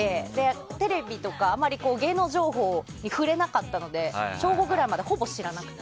テレビとかあんまり芸能情報に触れなかったので小５ぐらいまでほぼ知らなくて。